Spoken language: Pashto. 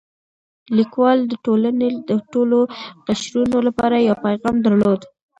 لیکوال د ټولنې د ټولو قشرونو لپاره یو پیغام درلود.